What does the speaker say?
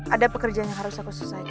ada pekerjaan yang harus aku selesaikan